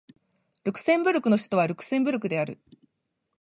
ルクセンブルクの首都はルクセンブルクである